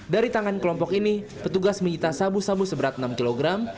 dari tangan kelompok ini petugas menyita sabu sabu seberat enam kg